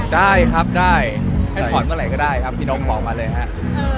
ได้ครับได้ให้ถอดเมื่อไหร่ก็ได้ครับพี่น้องขอมาเลยครับ